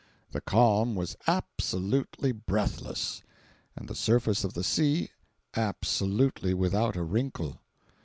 The calm was absolutely breathless, and the surface of the sea absolutely without a wrinkle.